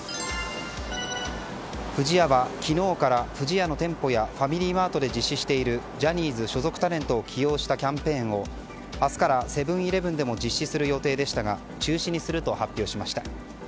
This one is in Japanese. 不二家は昨日から不二家の店舗やファミリーマートで実施しているジャニーズ所属タレントを起用したキャンペーンを明日からセブン‐イレブンでも実施する予定でしたが中止にすると発表しました。